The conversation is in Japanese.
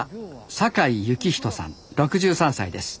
坂井幸人さん６３歳です。